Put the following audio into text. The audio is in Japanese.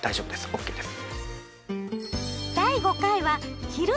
ＯＫです。